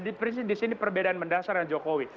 dan di sini perbedaan mendasar dengan jokowi